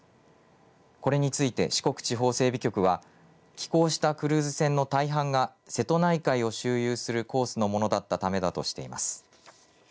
これについて四国地方整備局は寄港したクルーズ船の大半が瀬戸内海を周遊するコースのものだったためだとしています。